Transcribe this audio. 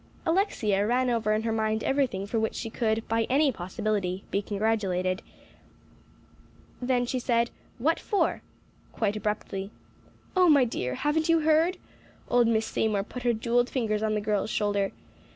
Alexia ran over in her mind everything for which she could, by any possibility, be congratulated; and finding nothing, she said, "What for?" quite abruptly. "Oh, my dear! Haven't you heard?" Old Miss Seymour put her jewelled fingers on the girl's shoulder.